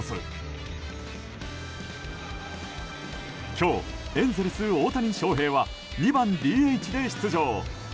今日、エンゼルス大谷翔平は２番ＤＨで出場。